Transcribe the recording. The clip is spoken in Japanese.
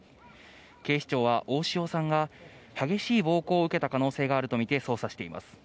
警視庁は大塩さんが激しい暴行を受けた可能性があるとみて捜査しています。